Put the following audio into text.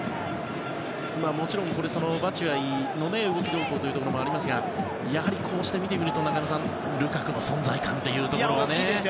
もちろん、バチュアイの動きのところもありますがやはりこうして見てみると中山さん、ルカクの存在感というところがね。